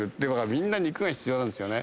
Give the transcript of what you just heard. みんな肉が必要なんですよね。